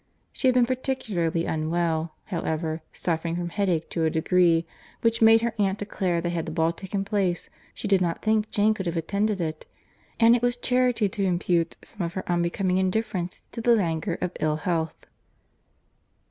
She had been particularly unwell, however, suffering from headache to a degree, which made her aunt declare, that had the ball taken place, she did not think Jane could have attended it; and it was charity to impute some of her unbecoming indifference to the languor of ill health.